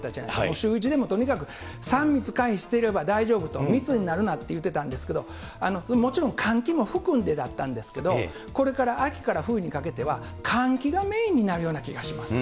シューイチでもとにかく、３密回避していれば大丈夫と、密になるなといってたんですけど、もちろん、換気も含んでだったんですけれども、これから秋から冬にかけては、換気がメインになるような気がします。